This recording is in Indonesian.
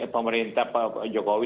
pemerintah pak jokowi